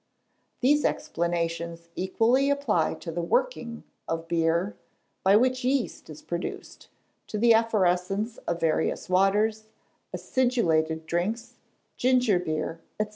These explanations equally apply to the "working" of beer, by which yeast is produced; to the effervescence of various waters, acidulated drinks, ginger beer, &c.